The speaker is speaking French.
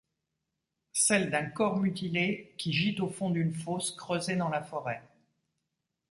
Celle d'un corps mutilé qui gît au fond d'une fosse creusée dans la forêt.